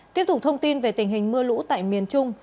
tiếp tục thông tin về tình hình mưa lũ tại miền trung